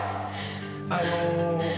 あの。